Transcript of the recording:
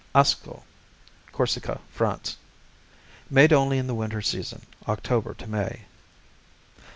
Asco Corsica, France Made only in the winter season, October to May.